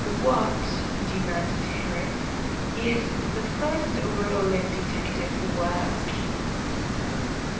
"What," demanded Harris, "is the first rule in detective work?"